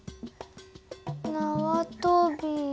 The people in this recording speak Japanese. なわとび